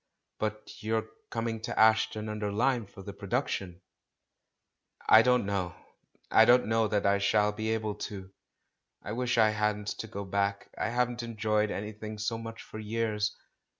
"But you're coming to Ashton under Lyne for the production?" "I don't know; I don't know that I shall be able to. I wish I hadn't to go back — I haven't enjoyed anything so much for years.